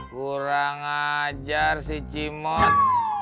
kurang ajar si cimot